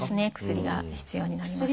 薬が必要になりますね。